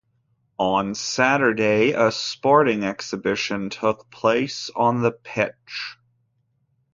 On Saturday a sporting exhibition took place on the pitch.